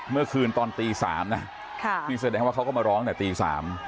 เมื่อคืนตอนตีสามน่ะค่ะมีแสดงว่าเขาก็มาร้องแต่ตีสาม